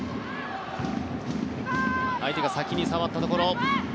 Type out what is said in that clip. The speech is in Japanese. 相手が先に触ったところ。